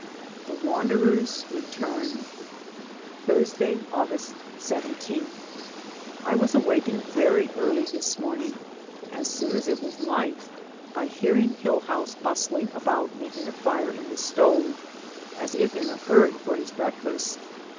THE WANDERERS RETURN. Thursday, August 17. I was awakened very early this morning, as soon as it was light, by hearing Hillhouse bustling about making a fire in the stove, as if in a hurry for his breakfast.